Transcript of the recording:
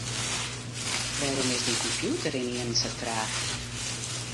Wêrom is dyn kompjûter ynienen sa traach?